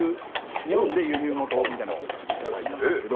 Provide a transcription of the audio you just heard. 日本で輸入元みたいな方から頂いたんですけど。